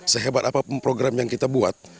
sehebat apapun program yang kita buat